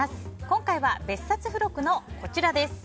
今回は、別冊付録のこちらです。